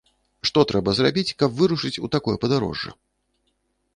Што трэба зрабіць, каб вырушыць у такое падарожжа?